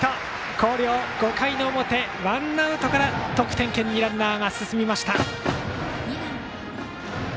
広陵、５回の表ワンアウトから得点圏にランナーが進みました。